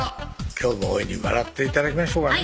今日も大いに笑って頂きましょうかね